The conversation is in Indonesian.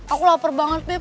aku lapar banget beb